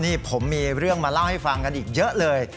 นี่ผมมีเรื่องมาเล่าให้ฟังกันอีกเยอะเลย